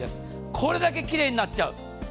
これだけ奇麗になっちゃう。